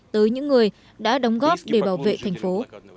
tới những người đã đóng góp để bảo vệ thành phố